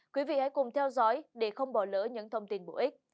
quý vị hãy cùng theo dõi để không bỏ lỡ những thông tin bổ ích